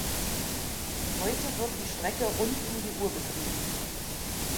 Heute wird die Strecke rund um die Uhr betrieben.